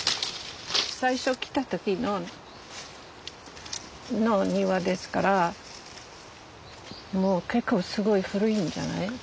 最初来た時の庭ですからもう結構すごい古いんじゃない？